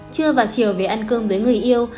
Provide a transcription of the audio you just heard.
chưa vào chiều về ăn cơm với người yêu